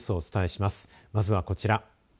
まずはこちら。